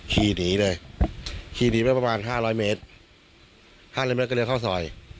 ขี่หนีเด้ยขี่หนีไปประมาณ๕๐๐เมตร๕๐๐เมตรก็เดินข้างซอย